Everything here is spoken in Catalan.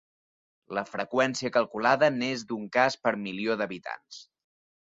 La freqüència calculada n'és d'un cas per milió d'habitants.